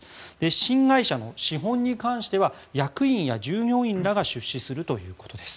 新会社の資本に関しては役員や従業員らが出資するということです。